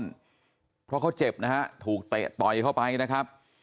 เพราะเขาเจ็บนะฮะถูกเตะต่อยเข้าไปนะครับ